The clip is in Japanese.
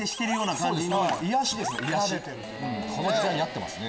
この時代に合ってますね。